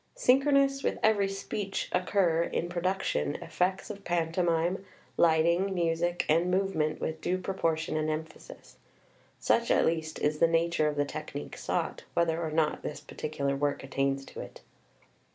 Synchronous with every speech occur, in production, effects of pantomime, lighting, music, and movement with due proportion and emphasis. Such, at least, is the nature of the technique sought, whether or not this particular work attains to it.